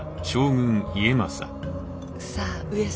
さあ上様